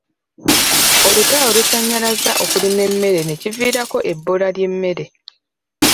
Olutalo lusannyalazza okulima emmere ne kiviirako ebbula ly'emmere.